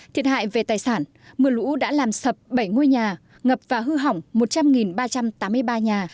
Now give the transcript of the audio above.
thiệt hại về tài sản mưa lũ đã làm sập bảy ngôi nhà ngập và hư hỏng một trăm linh ba trăm tám mươi ba nhà